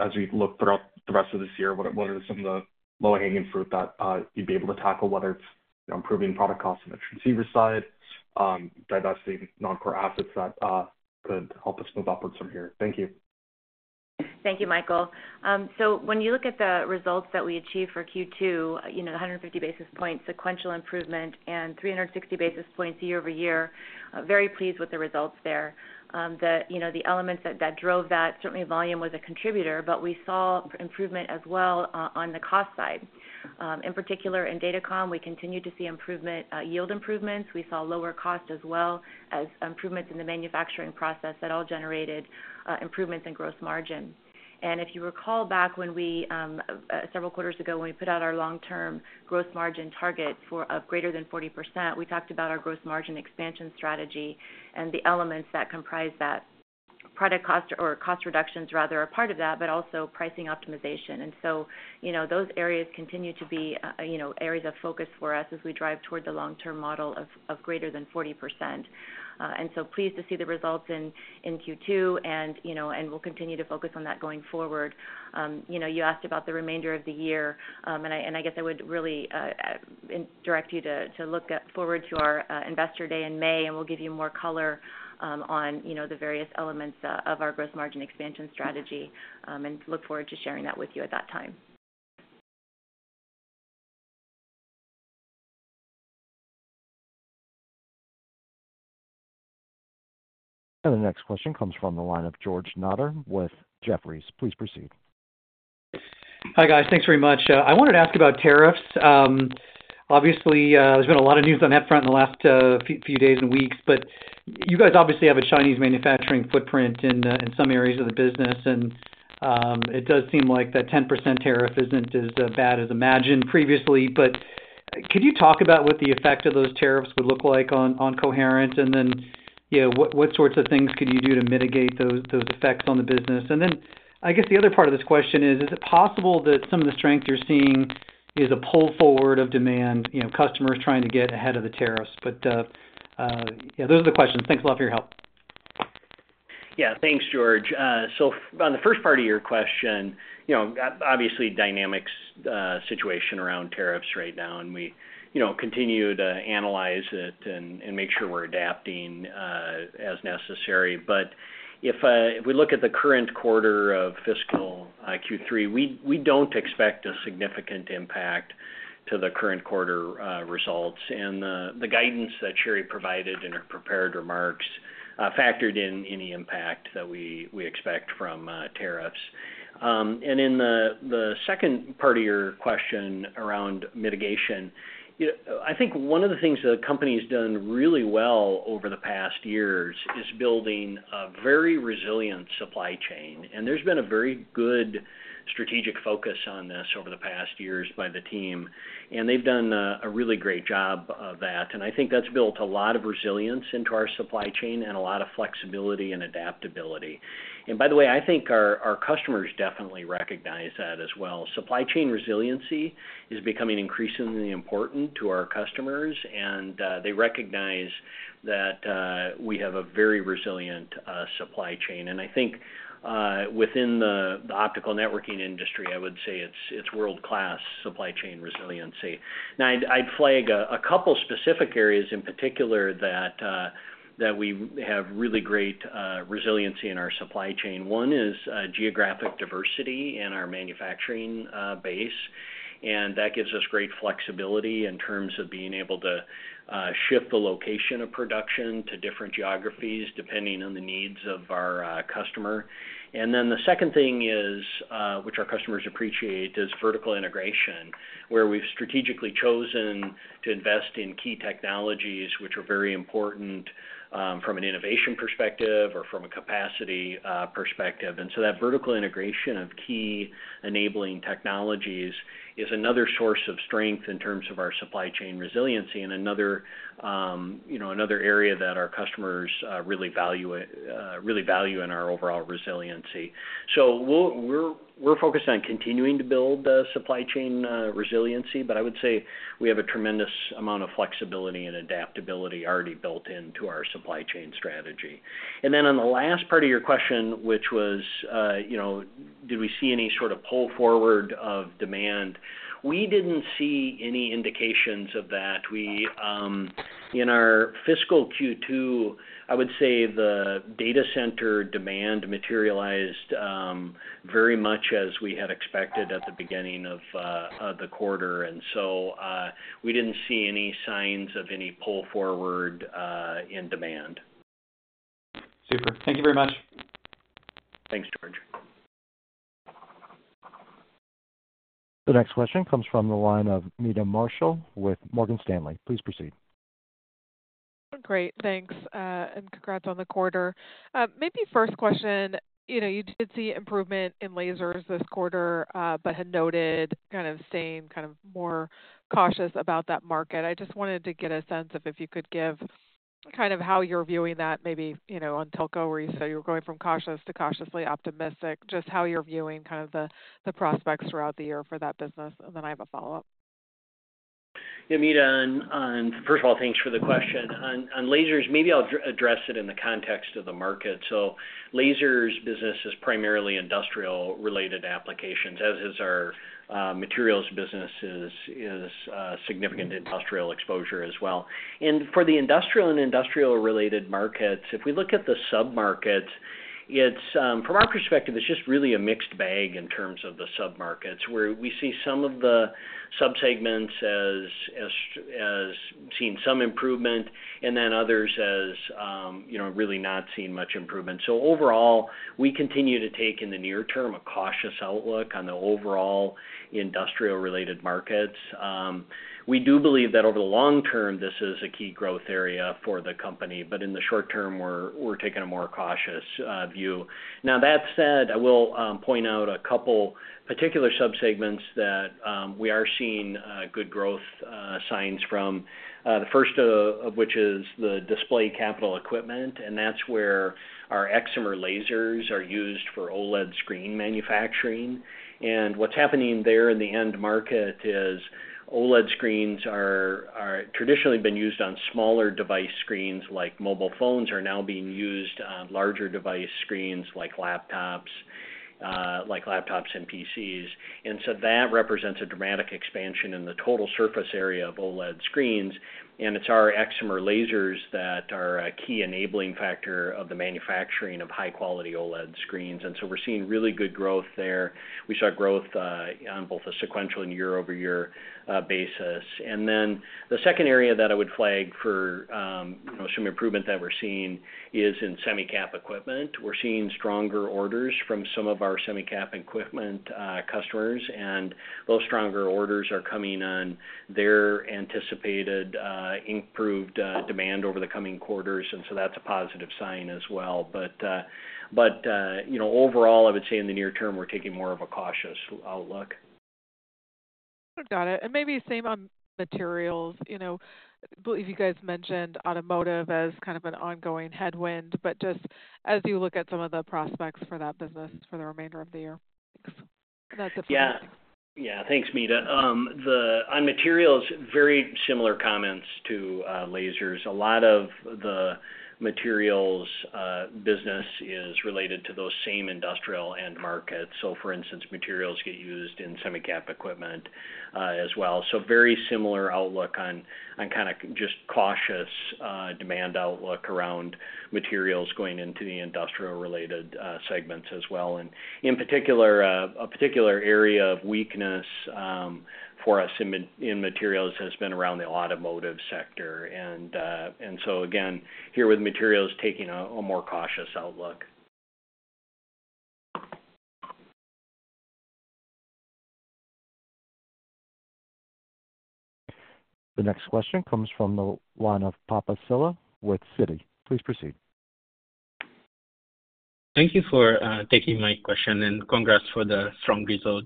as we look throughout the rest of this year, what are some of the low-hanging fruit that you'd be able to tackle, whether it's improving product costs on the transceiver side, divesting non-core assets that could help us move upwards from here? Thank you. Thank you, Michael. So when you look at the results that we achieved for Q2, 150 basis points sequential improvement and 360 basis points year over year, very pleased with the results there. The, you know, elements that drove that, certainly volume was a contributor, but we saw improvement as well on the cost side. In particular, in datacom, we continued to see yield improvements. We saw lower cost as well as improvements in the manufacturing process that all generated improvements in gross margin. And if you recall back several quarters ago when we put out our long-term gross margin target of greater than 40%, we talked about our gross margin expansion strategy and the elements that comprise that. Product cost or cost reductions rather are part of that, but also pricing optimization. And so those areas continue to be areas of focus for us as we drive toward the long-term model of greater than 40%. And so pleased to see the results in Q2, and you know, we'll continue to focus on that going forward. You asked about the remainder of the year, and I guess I would really direct you to look forward to our Investor Day in May, and we'll give you more color on, you know, the various elements of our gross margin expansion strategy and look forward to sharing that with you at that time. The next question comes from the line of George Notter with Jefferies. Please proceed. Hi, guys. Thanks very much. I wanted to ask about tariffs. Obviously, there's been a lot of news on that front in the last few days and weeks, but you guys obviously have a Chinese manufacturing footprint in some areas of the business. And it does seem like that 10% tariff isn't as bad as imagined previously. But could you talk about what the effect of those tariffs would look like on Coherent? And then what sorts of things could you do to mitigate those effects on the business? And then I guess the other part of this question is, is it possible that some of the strength you're seeing is a pull forward of demand, customers trying to get ahead of the tariffs? But yeah, those are the questions. Thanks a lot for your help. Yeah. Thanks, George. So on the first part of your question, obviously dynamic situation around tariffs right now, and we continue to analyze it and make sure we're adapting as necessary. But if we look at the current quarter of fiscal Q3, we don't expect a significant impact to the current quarter results. And the guidance that Sherry provided in her prepared remarks factored in any impact that we expect from tariffs. And in the second part of your question around mitigation, I think one of the things the company has done really well over the past years is building a very resilient supply chain. And there's been a very good strategic focus on this over the past years by the team. And they've done a really great job of that. And I think that's built a lot of resilience into our supply chain and a lot of flexibility and adaptability. And by the way, I think our customers definitely recognize that as well. Supply chain resiliency is becoming increasingly important to our customers, and they recognize that we have a very resilient supply chain. And I think within the optical networking industry, I would say it's world-class supply chain resiliency. Now, I'd flag a couple of specific areas in particular that we we have really great resiliency in our supply chain. One is geographic diversity in our manufacturing base. And that gives us great flexibility in terms of being able to shift the location of production to different geographies depending on the needs of our customer. And then the second thing is, which our customers appreciate, is vertical integration, where we've strategically chosen to invest in key technologies which are very important from an innovation perspective or from a capacity perspective. And so that vertical integration of key enabling technologies is another source of strength in terms of our supply chain resiliency and another, you know, another area that our customers really value, really value in our overall resiliency. So we're we're focused on continuing to build supply chain resiliency, but I would say we have a tremendous amount of flexibility and adaptability already built into our supply chain strategy. And then on the last part of your question, which was, did we see any sort of pull forward of demand? We didn't see any indications of that. In our fiscal Q2, I would say the data center demand materialized very much as we had expected at the beginning of the quarter. And so we didn't see any signs of any pull forward in demand. Super. Thank you very much. Thanks, George. The next question comes from the line of Meta Marshall with Morgan Stanley. Please proceed. Great. Thanks. And congrats on the quarter. Maybe first question, you did see improvement in lasers this quarter, but had noted kind of staying kind of more cautious about that market. I just wanted to get a sense of if you could give kind of how you're viewing that maybe on telco where you said you're going from cautious to cautiously optimistic, just how you're viewing kind of the prospects throughout the year for that business. And then I have a follow-up. Yeah, Meta, first of all, thanks for the question. On lasers, maybe I'll address it in the context of the market. So lasers business is primarily industrial-related applications, as is our materials business, is is significant industrial exposure as well. And for the industrial and industrial-related markets, if we look at the submarkets, from our perspective, it's just really a mixed bag in terms of the submarkets where we see some of the subsegments as as seeing some improvement and then others as really not seeing much improvement. So overall, we continue to take in the near term a cautious outlook on the overall industrial-related markets. We do believe that over the long term, this is a key growth area for the company. But in the short term, we're taking a more cautious view. Now, that said, I will point out a couple of particular subsegments that we are seeing good growth signs from, the first of which is the display capital equipment. And that's where our excimer lasers are used for OLED screen manufacturing. And what's happening there in the end market is OLED screens are are traditionally been used on smaller device screens like mobile phones are now being used on larger device screens like laptops, like laptops and PCs. And so that represents a dramatic expansion in the total surface area of OLED screens. And it's our excimer lasers that are a key enabling factor of the manufacturing of high-quality OLED screens. And so we're seeing really good growth there. We saw growth on both a sequential and year-over-year basis. And then the second area that I would flag for some improvement that we're seeing is in semicap equipment. We're seeing stronger orders from some of our semicap equipment customers. And those stronger orders are coming on their anticipated improved demand over the coming quarters. And so that's a positive sign as well. But, but you know, overall, I would say in the near term, we're taking more of a cautious outlook. Got it. And maybe same on materials. I believe you guys mentioned automotive as kind of an ongoing headwind, but just as you look at some of the prospects for that business for the remainder of the year? Thanks. And that's it for me. Yeah. Thanks, Meta. On materials, very similar comments to lasers. A lot of the materials business is related to those same industrial end markets. So for instance, materials get used in semicap equipment as well. So very similar outlook on kind of just cautious demand outlook around materials going into the industrial-related segments as well. And in particular, a particular area of weakness for us in materials has been around the automotive sector. And so again, here with materials, taking a more cautious outlook. The next question comes from the line of Papa Sylla with Citi. Please proceed. Thank you for taking my question and congrats for the strong result.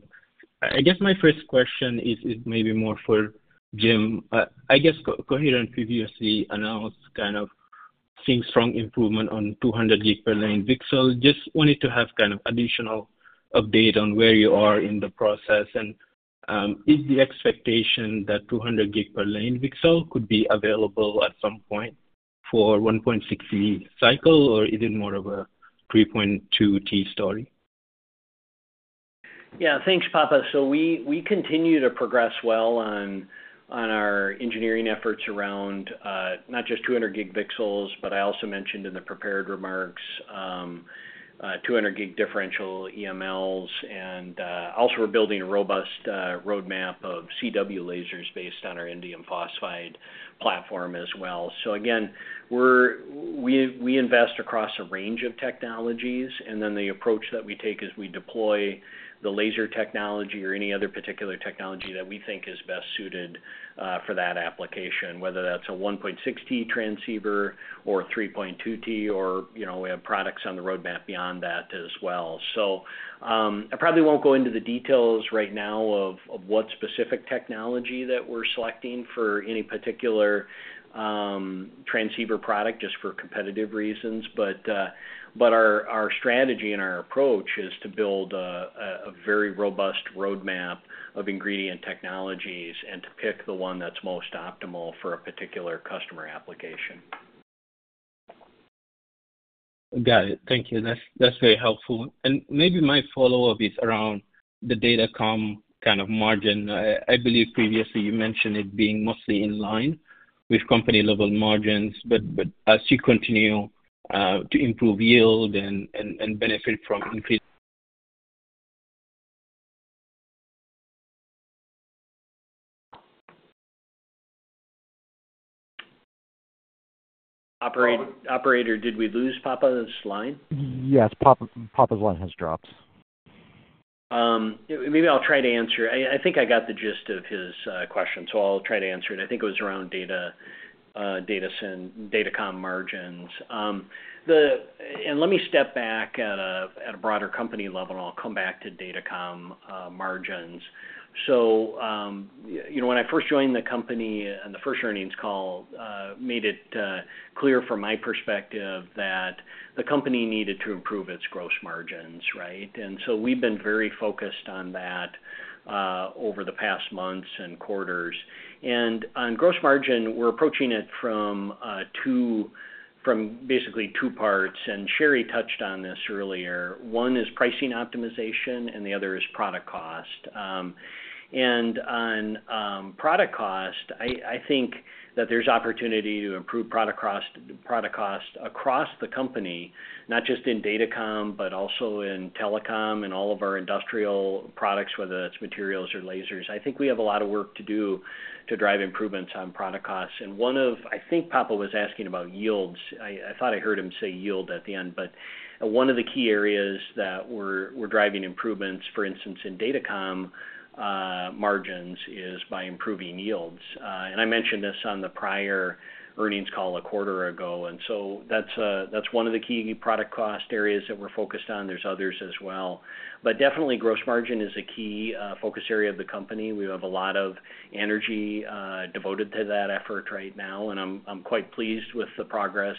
I guess my first question is maybe more for Jim. I guess Coherent previously announced kind of seeing strong improvement on 200G per line VCSEL. Just wanted to have kind of additional update on where you are in the process. And is the expectation that 200G per line VCSEL could be available at some point for 1.6T cycle or is it more of a 3.2T story? Yeah. Thanks, Papa. So we continue to progress well on our engineering efforts around not just 200 gig VCSELs, but I also mentioned in the prepared remarks 200 gig differential EMLs. And also we're building a robust roadmap of CW lasers based on our indium phosphide platform as well. So again, we're, we invest across a range of technologies. And then the approach that we take is we deploy the laser technology or any other particular technology that we think is best suited for that application, whether that's a 1.6T transceiver or 3.2T, or we have products on the roadmap beyond that as well. So I probably won't go into the details right now of of what specific technology that we're selecting for any particular transceiver product just for competitive reasons. But but our strategy and our approach is to build a very robust roadmap of ingredient technologies and to pick the one that's most optimal for a particular customer application. Got it. Thank you. That's very helpful. And maybe my follow-up is around the datacom kind of margin. I believe previously you mentioned it being mostly in line with company-level margins, but as you continue to improve yield and and benefit from increased. Operator, did we lose Papa's line? Yes. Papa's line has dropped. Maybe I'll try to answer. I think I got the gist of his question. So I'll try to answer it. I think it was around data, datacom margins. And let me step back at a broader company level, and I'll come back to datacom margins. So when I first joined the company on the first earnings call, made it clear from my perspective that the company needed to improve its gross margins, right? And so we've been very focused on that over the past months and quarters. And on gross margin, we're approaching it from two, from basically two parts. And Sherri touched on this earlier. One is pricing optimization, and the other is product cost. And on product cost, I think that there's opportunity to improve product cost, product cost across the company, not just in datacom but also in telecom and all of our industrial products, whether that's materials or lasers. I think we have a lot of work to do to drive improvements on product costs. And one of, I think Papa was asking about yields. I thought I heard him say yield at the end, but one of the key areas that we're driving improvements, for instance, in datacom margins, is by improving yields. I mentioned this on the prior earnings call a quarter ago. So that's one, that's one of the key product cost areas that we're focused on. There's others as well. But definitely, gross margin is a key focus area of the company. We have a lot of energy devoted to that effort right now. I'm I'm quite pleased with the progress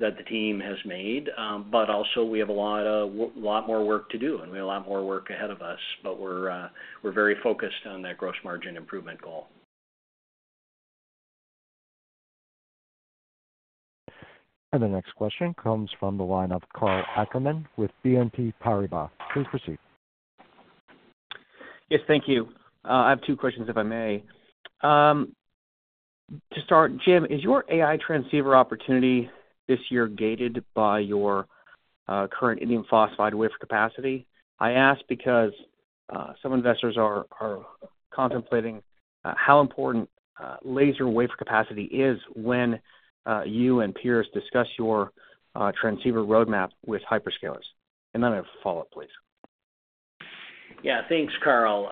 that the team has made. But also we have a lot of, we have a lot more work to do, and we have a lot more work ahead of us. But we're, we're very focused on that gross margin improvement goal. The next question comes from the line of Karl Ackerman with BNP Paribas. Please proceed. Yes, thank you. I have two questions if I may. To start, Jim, is your AI transceiver opportunity this year gated by your current indium phosphide wafer capacity? I ask because some investors are are contemplating how important laser wafer capacity is when you and peers discuss your transceiver roadmap with hyperscalers. And then I have a follow-up, please. Yeah. Thanks, Karl.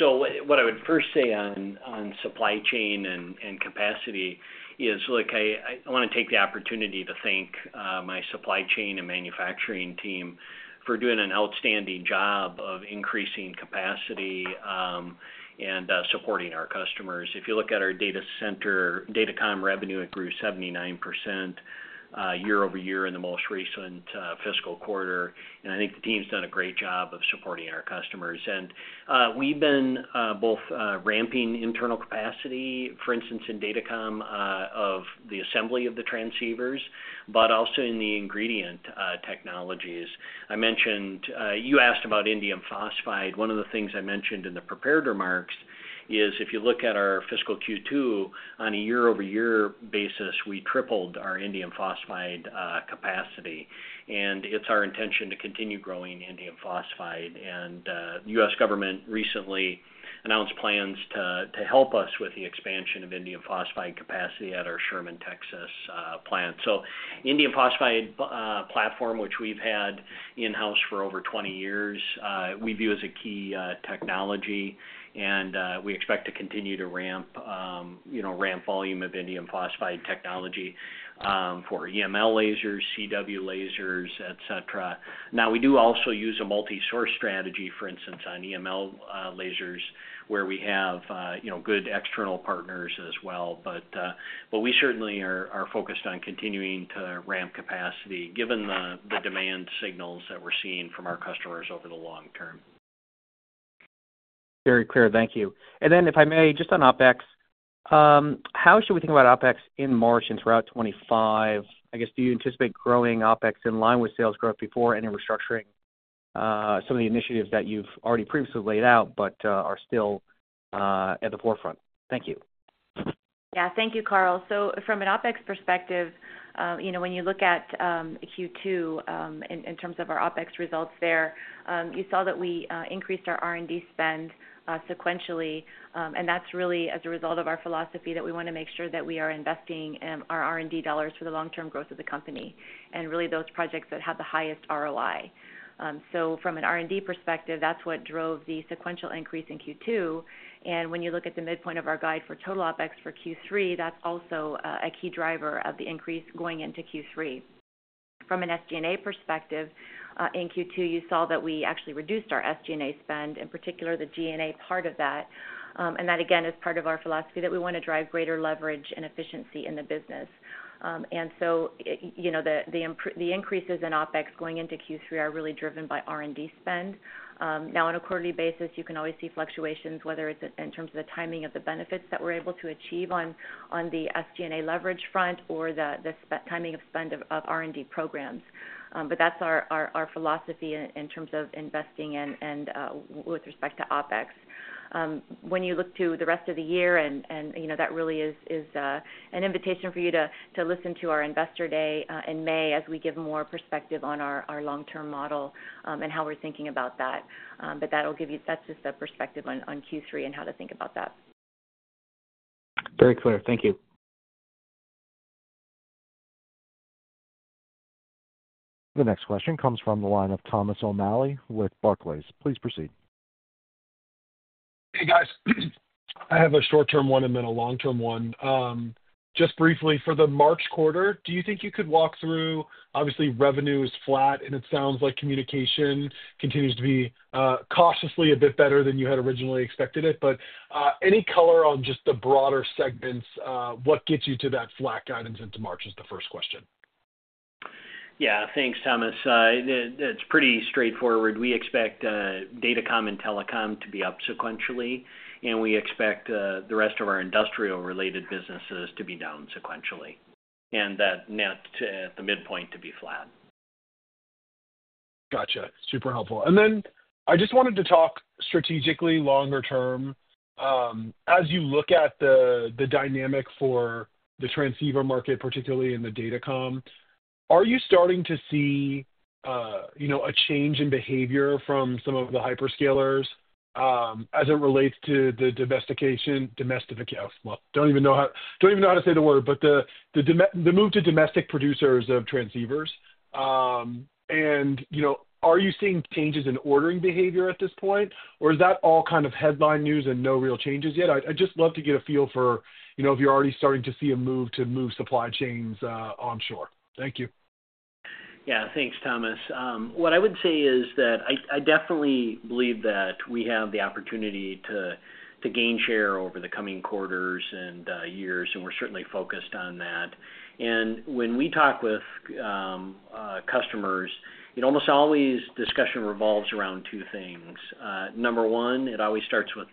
So what I would first say on supply chain and capacity is I want to take the opportunity to thank my supply chain and manufacturing team for doing an outstanding job of increasing capacity and supporting our customers. If you look at our data center, datacom revenue, it grew 79% year over year in the most recent fiscal quarter. And I think the team's done a great job of supporting our customers. And we've been both ramping internal capacity, for instance, in datacom of the assembly of the transceivers, but also in the ingredient technologies. I mentioned you asked about indium phosphide. One of the things I mentioned in the prepared remarks is if you look at our fiscal Q2, on a year-over-year basis, we tripled our indium phosphide capacity. And it's our intention to continue growing indium phosphide. And the U.S. government recently announced plans to help us with the expansion of indium phosphide capacity at our Sherman, Texas plant. So the indium phosphide platform, which we've had in-house for over 20 years, we view as a key technology. And we expect to continue to ramp, you know, volume of indium phosphide technology for EML lasers, CW lasers, etc. We do also use a multi-source strategy, for instance, on EML lasers where we have good external partners as well. But we certainly are are focused on continuing to ramp capacity given the demand signals that we're seeing from our customers over the long term. Very clear. Thank you. And then if I may, just on OpEx, how should we think about OpEx in March and throughout 2025? I guess do you anticipate growing OpEx in line with sales growth before and restructuring some of the initiatives that you've already previously laid out but are still at the forefront? Thank you. Yeah. Thank you, Karl. So from an OpEx perspective, when you look at Q2 in terms of our OpEx results there, you saw that we increased our R&D spend sequentially, and that's really as a result of our philosophy that we want to make sure that we are investing our R&D dollars for the long-term growth of the company and really those projects that have the highest ROI, so from an R&D perspective, that's what drove the sequential increase in Q2, and when you look at the midpoint of our guide for total OpEx for Q3, that's also a key driver of the increase going into Q3. From an SG&A perspective, in Q2, you saw that we actually reduced our SG&A spend, in particular the G&A part of that, and that, again, is part of our philosophy that we want to drive greater leverage and efficiency in the business. And so, you know, the increases in OpEx going into Q3 are really driven by R&D spend. Now, on a quarterly basis, you can always see fluctuations, whether it's in terms of the timing of the benefits that we're able to achieve on the SG&A leverage front or the timing of spend of R&D programs. But that's our our philosophy in terms of investing and and with respect to OpEx. When you look to the rest of the year, and that really is is an invitation for you to listen to our Investor Day in May as we give more perspective on our long-term model and how we're thinking about that. But that'll give you. That's just a perspective on Q3 and how to think about that. Very clear. Thank you. The next question comes from the line of Thomas O'Malley with Barclays. Please proceed. Hey, guys. I have a short-term one and then a long-term one. Just briefly, for the March quarter, do you think you could walk through? Obviously, revenue is flat, and it sounds like communication continues to be cautiously a bit better than you had originally expected it. But any color on just the broader segments? What gets you to that flat guidance into March is the first question. Yeah. Thanks, Thomas. It's pretty straightforward. We expect datacom and telecom to be up sequentially, and we expect the rest of our industrial-related businesses to be down sequentially and that net at the midpoint to be flat. Gotcha. Super helpful, and then I just wanted to talk strategically longer term. As you look at the dynamic for the transceiver market, particularly in the datacoms, are you starting to see, you know, a change in behavior from some of the hyperscalers as it relates to the domestication? Domestication, well, don't even know how to say the word, but the move to domestic producers of transceivers, and you know, are you seeing changes in ordering behavior at this point, or is that all kind of headline news and no real changes yet? I'd just love to get a feel for if you're already starting to see a move to move supply chains onshore. Thank you. Yeah. Thanks, Thomas. What I would say is that I definitely believe that we have the opportunity to gain share over the coming quarters and years, and we're certainly focused on that. And when we talk with customers, almost always discussion revolves around two things. Number one, it always starts with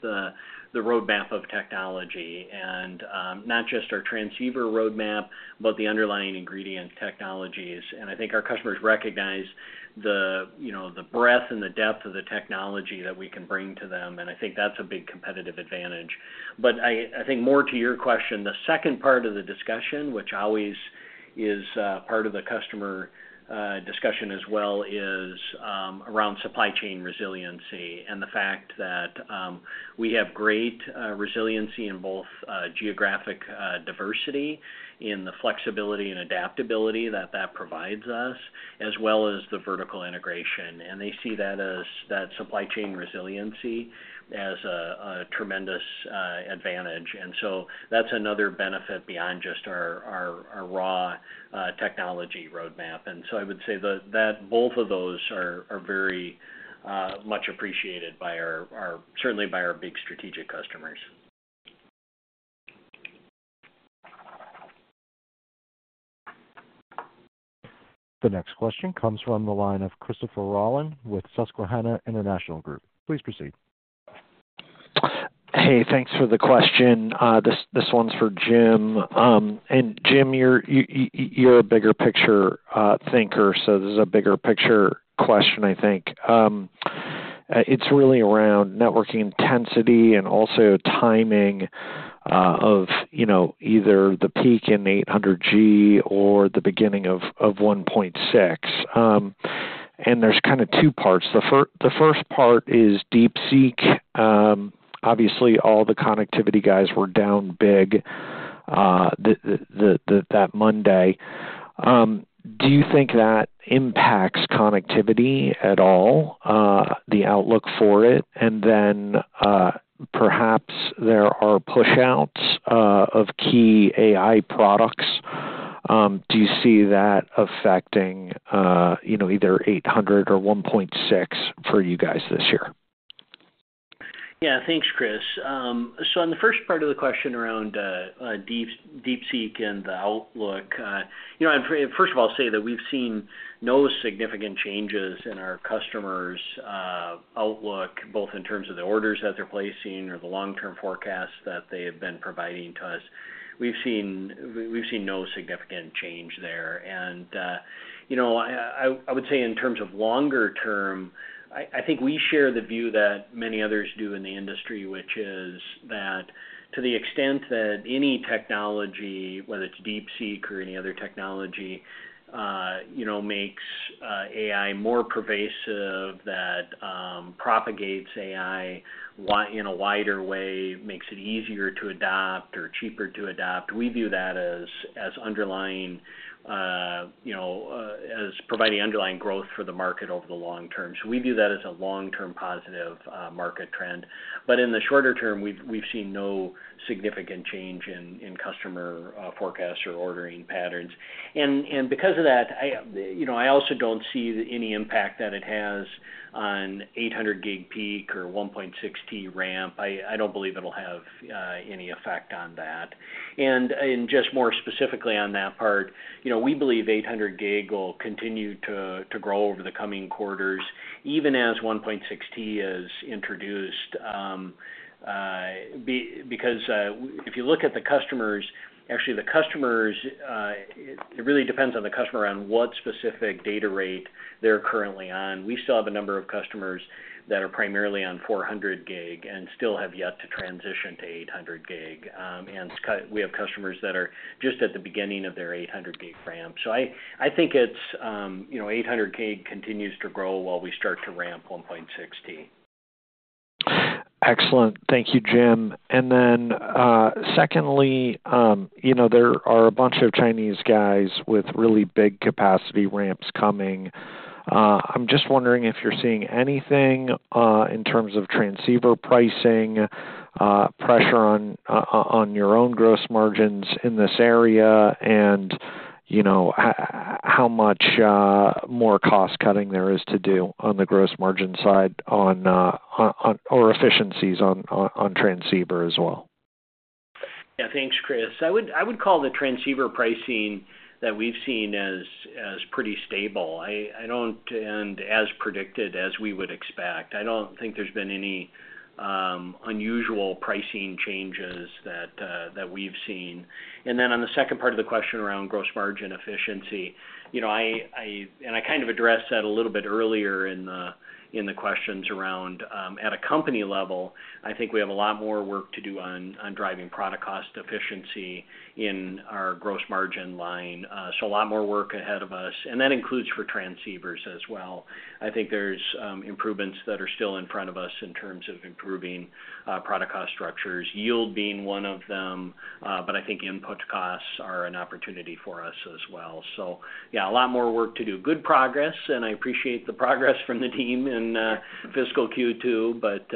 the roadmap of technology and not just our transceiver roadmap, but the underlying ingredient technologies. And I think our customers recognize the, you know, the breadth and the depth of the technology that we can bring to them. And I think that's a big competitive advantage. But I think more to your question, the second part of the discussion, which always is part of the customer discussion as well, is around supply chain resiliency and the fact that we have great resiliency in both geographic diversity and the flexibility and adaptability that that provides us, as well as the vertical integration. And they see that supply chain resiliency as a tremendous advantage. And so that's another benefit beyond just our our raw technology roadmap. And so I would say that both of those are very much appreciated by our, our certainly by our big strategic customers. The next question comes from the line of Christopher Rolland with Susquehanna International Group. Please proceed. Hey, thanks for the question. This one's for Jim. And Jim, you're a bigger picture thinker, so this is a bigger picture question, I think. It's really around networking intensity and also timing of, you know, either the peak in 800G or the beginning of 1.6T. And there's kind of two parts. The first part is DeepSeek. Obviously, all the connectivity guys were down big that Monday. Do you think that impacts connectivity at all, the outlook for it? And then perhaps there are push-outs of key AI products. Do you see that affecting, you know, either 800G or 1.6T for you guys this year? Yeah. Thanks, Chris. So on the first part of the question around DeepSeek and the outlook, I'd first of all say that we've seen no significant changes in our customers' outlook, both in terms of the orders that they're placing or the long-term forecasts that they have been providing to us. We've seen no significant change there. And, you know, I would say in terms of longer term, I think we share the view that many others do in the industry, which is that to the extent that any technology, whether it's DeepSeek or any other technology, you know, makes AI more pervasive, that propagates AI in a wider way, makes it easier to adopt or cheaper to adopt, we view that as underlying, you know, as providing underlying growth for the market over the long term. So we view that as a long-term positive market trend. But in the shorter term, we've seen no significant change in customer forecasts or ordering patterns. And and because of that, I also don't see any impact that it has on 800G peak or 1.6T ramp. I don't believe it'll have any effect on that. And just more specifically on that part, we believe 800G will continue to, to grow over the coming quarters, even as 1.6T is introduced. Because if you look at the customers, actually, the customers, it really depends on the customer on what specific data rate they're currently on. We still have a number of customers that are primarily on 400G and still have yet to transition to 800G. And we have customers that are just at the beginning of their 800G ramp. So I think 800G continues to grow while we start to ramp 1.6T. Excellent. Thank you, Jim. And then secondly, you know, there are a bunch of Chinese guys with really big capacity ramps coming. I'm just wondering if you're seeing anything in terms of transceiver pricing, pressure on, on your own gross margins in this area, and you know, how much more cost cutting there is to do on the gross margin side or efficiencies on transceiver as well? Yeah. Thanks, Chris. I would call the transceiver pricing that we've seen as as pretty stable and as predicted as we would expect. I don't think there's been any unusual pricing changes that we've seen. And then on the second part of the question around gross margin efficiency, you know, I I kind of addressed that a little bit earlier in the questions around at a company level, I think we have a lot more work to do on driving product cost efficiency in our gross margin line. So a lot more work ahead of us. And that includes for transceivers as well. I think there's improvements that are still in front of us in terms of improving product cost structures, yield being one of them, but I think input costs are an opportunity for us as well. So yeah, a lot more work to do. Good progress. I appreciate the progress from the team in fiscal Q2, but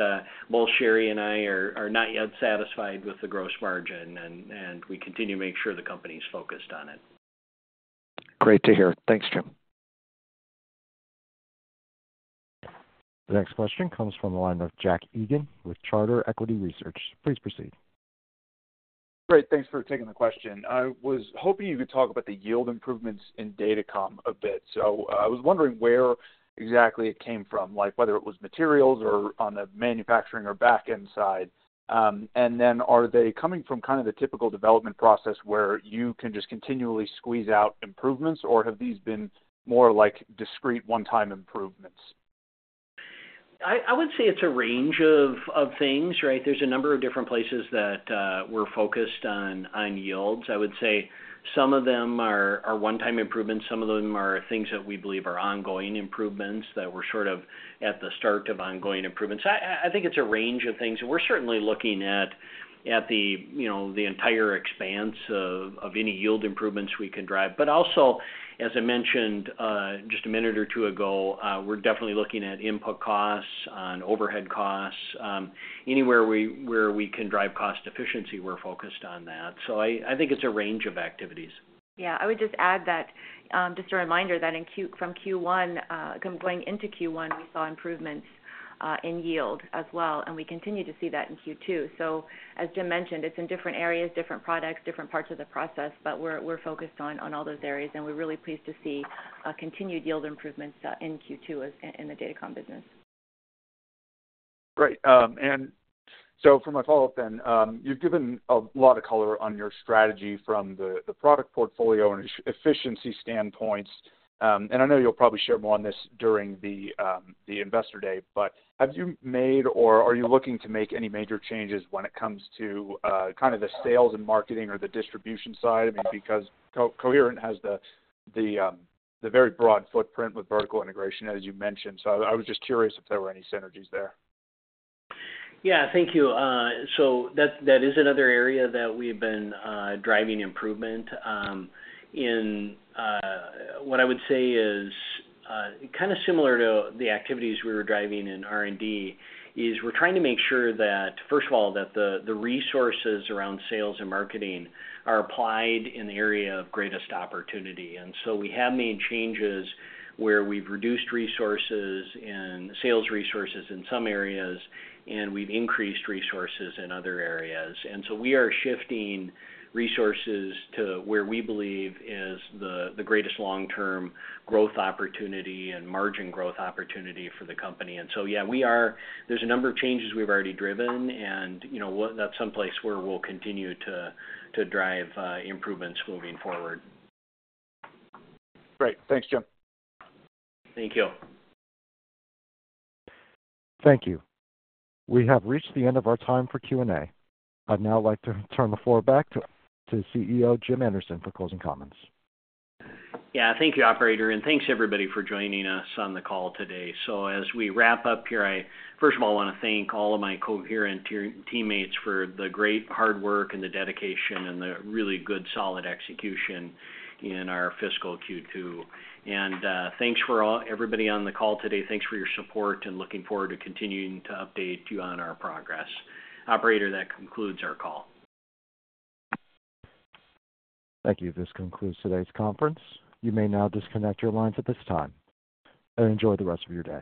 both Sherri and I are not yet satisfied with the gross margin. And we continue to make sure the company's focused on it. Great to hear. Thanks, Jim. The next question comes from the line of Jack Egan with Charter Equity Research. Please proceed. Great. Thanks for taking the question. I was hoping you could talk about the yield improvements in datacom a bit. So I was wondering where exactly it came from, whether it was materials or on the manufacturing or backend side? And then are they coming from kind of the typical development process where you can just continually squeeze out improvements, or have these been more like discrete one-time improvements? I would say it's a range of things, right? There's a number of different places that we're focused on on yields. I would say some of them are one-time improvements. Some of them are things that we believe are ongoing improvements that we're sort of at the start of ongoing improvements. I think it's a range of things, and we're certainly looking at, at the, you know, the entire expanse of any yield improvements we can drive, but also, as I mentioned just a minute or two ago, we're definitely looking at input costs on overhead costs. Anywhere where, where we can drive cost efficiency, we're focused on that, so I think it's a range of activities. Yeah. I would just add that just a reminder that from Q1, going into Q1, we saw improvements in yield as well, and we continue to see that in Q2. So as Jim mentioned, it's in different areas, different products, different parts of the process, but we're focused on all those areas. And we're really pleased to see continued yield improvements in Q2 in the datacom business. Great. And so for my follow-up then, you've given a lot of color on your strategy from the product portfolio and efficiency standpoints. And I know you'll probably share more on this during the investor day, but have you made or are you looking to make any major changes when it comes to kind of the sales and marketing or the distribution side? I mean, because Coherent has the very broad footprint with vertical integration, as you mentioned. So I was just curious if there were any synergies there. Yeah. Thank you. So that is another area that we've been driving improvement in. What I would say is kind of similar to the activities we were driving in R&D is we're trying to make sure that, first of all, the resources around sales and marketing are applied in the area of greatest opportunity. And so we have made changes where we've reduced sales resources in some areas, and we've increased resources in other areas. And so we are shifting resources to where we believe is the greatest long-term growth opportunity and margin growth opportunity for the company. And so yeah, there's a number of changes we've already driven, and that's someplace where we'll continue to drive improvements moving forward. Great. Thanks, Jim. Thank you. Thank you. We have reached the end of our time for Q&A. I'd now like to turn the floor back to CEO Jim Anderson for closing comments. Yeah. Thank you, Operator. And thanks, everybody, for joining us on the call today. So as we wrap up here, first of all, I want to thank all of my Coherent teammates for the great hard work and the dedication and the really good solid execution in our fiscal Q2. And thanks for everybody on the call today. Thanks for your support, and looking forward to continuing to update you on our progress. Operator, that concludes our call. Thank you. This concludes today's conference. You may now disconnect your lines at this time and enjoy the rest of your day.